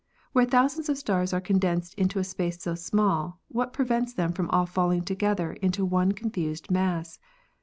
Where thou sands of stars are condensed into a space so small, what prevents them from all falling together into one confused mass?